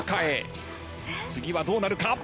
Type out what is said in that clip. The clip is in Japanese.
次はどうなるか？